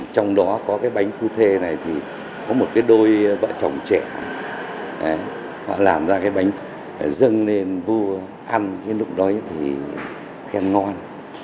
trong đó có cái bánh phu thê này thì có một đôi vợ chồng trẻ họ làm ra cái bánh dân nên vua ăn lúc đó thì khen ngon